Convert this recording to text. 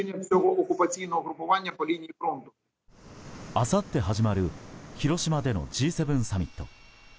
あさって始まる広島でのＧ７サミット。